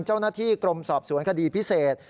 เจ้าหน้าที่กรมสอบสวนคดีพิเศษ